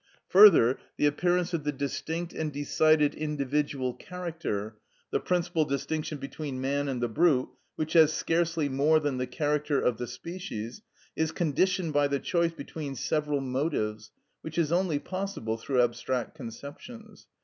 Further, the appearance of the distinct and decided individual character, the principal distinction between man and the brute, which has scarcely more than the character of the species, is conditioned by the choice between several motives, which is only possible through abstract conceptions.